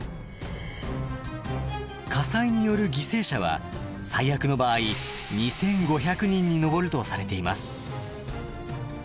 火災による犠牲者は最悪の場合２，５００人に上るとされています。